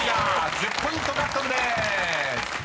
１０ポイント獲得です］